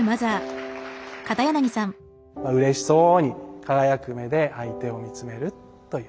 うれしそうに輝く目で相手を見つめるというね。